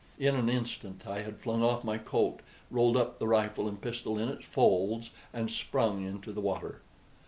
In an instant I had flung off my coat, rolled up the rifle and pistol in its folds, and sprung into the water.